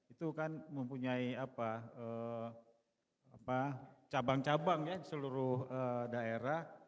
itu kan mempunyai cabang cabang ya seluruh daerah